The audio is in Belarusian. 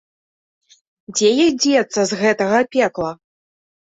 Дзе ёй дзецца з гэтага пекла?